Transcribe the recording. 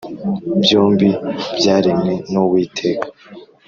byombi byaremwe n’uwiteka